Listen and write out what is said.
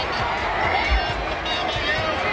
มาแล้วครับพี่น้อง